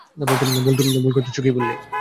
ভুল করতেছো কী বললি?